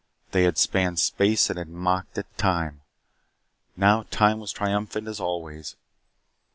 They had spanned space and had mocked at time. Now time was triumphant as always.